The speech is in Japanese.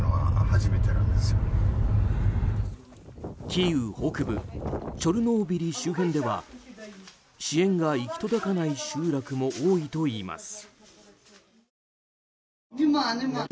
キーウ北部チョルノービリ周辺では支援が行き届かない集落も多いといいます。